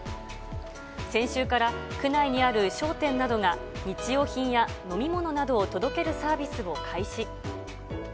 先週から区内にある商店などが日用品や飲み物などを届けるサービスを開始。